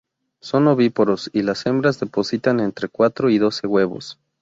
Son ovíparos y las hembras depositan entre cuatro y doce huevos.